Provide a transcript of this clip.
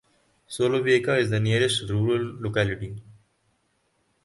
Solovyevka is the nearest rural locality.